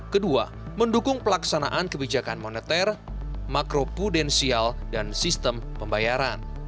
kedua mendukung pelaksanaan kebijakan moneter makropudensial dan sistem pembayaran